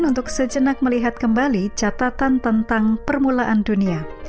untuk sejenak melihat kembali catatan tentang permulaan dunia